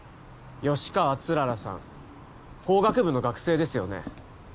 吉川氷柱さん法学部の学生ですよね